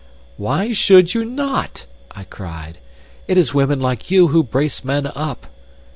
"Why should you not?" I cried. "It is women like you who brace men up.